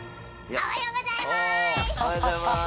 おはようございます。